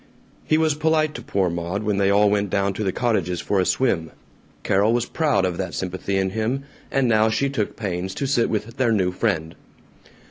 He was polite to poor Maud when they all went down to the cottages for a swim. Carol was proud of that sympathy in him, and now she took pains to sit with their new friend.